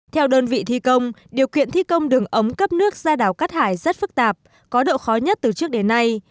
theo đơn vị thi công điều kiện thi công đường ống cấp nước ra đảo cát hải rất phức tạp có độ khó nhất từ trước đến nay